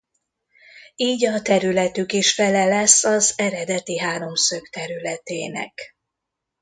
Így a területük is fele lesz az eredeti háromszög területének.